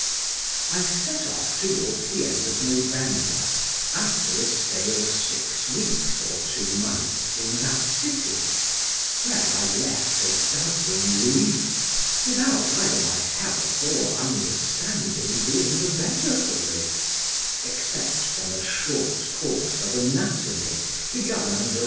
I set off towards the end of November, after a stay of six weeks or two months in that city, where I left a dozen louis, without either my health or understanding being the better for it, except from a short course of anatomy begun under M.